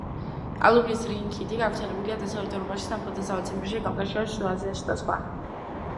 ალუბლის რინქიტი გავრცელებულია დასავლეთ ევროპაში, სამხრეთ-დასავლეთ ციმბირში, კავკასიაში, შუა აზიასა და სხვა.